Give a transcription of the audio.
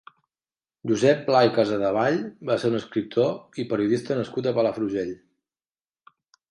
Josep Pla i Casadevall va ser un escriptor i periodista nascut a Palafrugell.